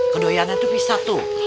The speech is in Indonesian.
kedoyannya tuh bisa tuh